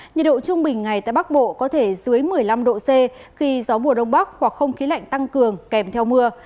nhiệt độ trung bình ngày tại bắc bộ có thể dưới một mươi năm độ c khi gió mùa đông bắc hoặc không khí lạnh tăng cường kèm theo mưa